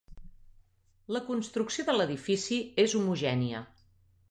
La construcció de l'edifici és homogènia.